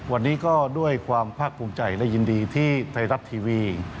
วันนี้ก็ด้วยความภาคภูมิใจและยินดีที่ไทยรัฐทีวี